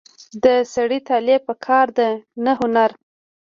د سړي طالع په کار ده نه هنر.